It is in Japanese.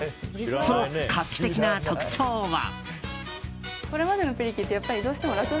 その画期的な特徴は。